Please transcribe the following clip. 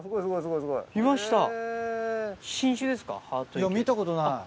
いや見たことない。